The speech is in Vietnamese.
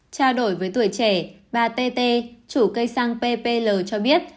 trao đổi với tuổi trẻ bà tê tê chủ cây xăng ppl cho biết